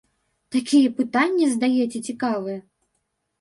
Такія пытанні задаеце цікавыя!